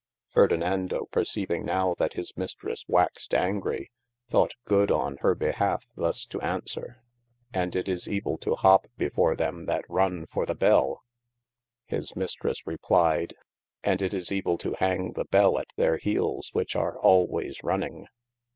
Ferdinando perceyving now that his Mistresse waxed angry, thought good on hir behalfe thus to aunswere : and it is evili to hop before them that runne for the Bell : his Mistresse replied, and it is evill to hange the Bell at their heeles which are alwayes running.